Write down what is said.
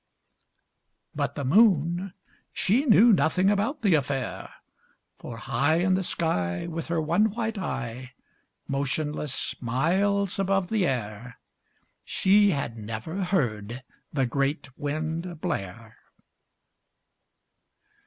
But the Moon she knew nothing about the affair; For high In the sky, With her one white eye, Motionless, miles above the air, She had never heard the great Wind blare.